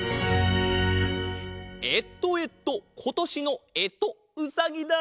えっとえっとことしのえとうさぎだ！